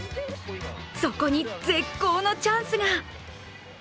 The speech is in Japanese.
そこに絶好のチャンスが！